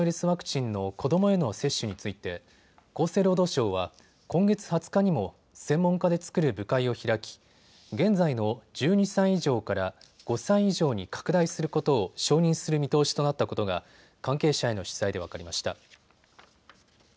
ワクチンの子どもへの接種について厚生労働省は今月２０日にも専門家で作る部会を開き、現在の１２歳以上から５歳以上に拡大することを承認する見通しとなったことが関係者への取材で分かりました。